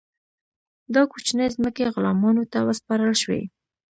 دا کوچنۍ ځمکې غلامانو ته وسپارل شوې.